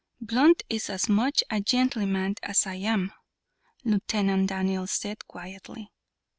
"Blunt is as much a gentleman as I am," Lieutenant Daniels said, quietly.